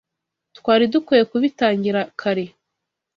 Twari dukwiye kubitangira kare.